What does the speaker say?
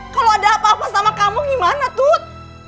kalau ada apa apa sama kamu gimana tuh